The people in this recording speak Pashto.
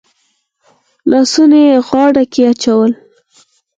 لاسونه يې غاړه کې واچول.